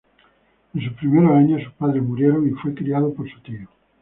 En sus primeros años, sus padres murieron y fue criado por su tío.